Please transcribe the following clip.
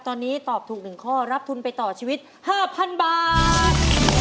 ตอนนี้ตอบถูก๑ข้อรับทุนไปต่อชีวิต๕๐๐๐บาท